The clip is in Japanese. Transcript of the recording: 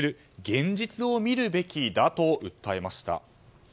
現実を見るべきだと訴えました。